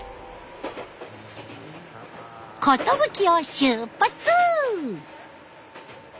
寿を出発！